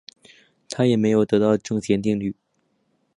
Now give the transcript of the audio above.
他也没有得到正弦定律。